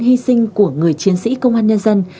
hy sinh của người chiến sĩ công an nhân dân